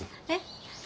えっ？